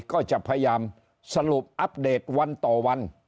ก็จะพยายามสรุปอัปเดตวันต่อวัน